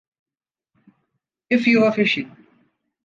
if you were fishing.